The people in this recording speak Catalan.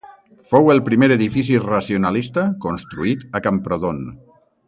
Fou el primer edifici racionalista construït a Camprodon.